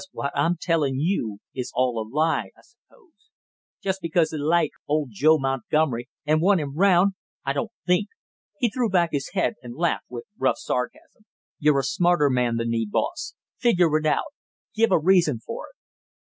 Because what I'm tellin' you is all a lie, I suppose! Just because they like old Joe Montgomery and want him 'round! I don't think!" He threw back his head and laughed with rough sarcasm. "You're a smarter man than me, boss; figure it out; give a reason for it!"